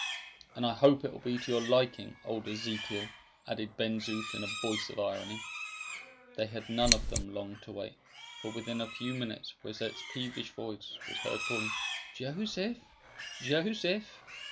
"And I hope it will be to your liking, old Ezekiel!" added Ben Zoof in a voice of irony. They had none of them long to wait, for within a few minutes Rosette's peevish voice was heard calling, "Joseph! Joseph!"